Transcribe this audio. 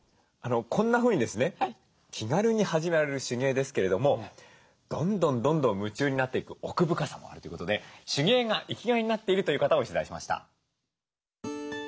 こんなふうにですね気軽に始められる手芸ですけれどもどんどんどんどん夢中になっていく奥深さもあるということで手芸が生きがいになっているという方を取材しました。